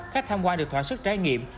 khách tham quan được thỏa sức trải nghiệm